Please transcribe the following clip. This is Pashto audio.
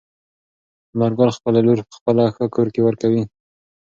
انارګل خپله لور په ښه کور کې ورکوي.